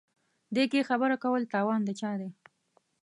دې کې خبره کول توان د چا دی.